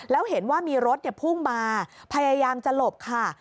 แล้วเห็นว่ามีรถพุ่งมาพยายามจะหลบค่ะ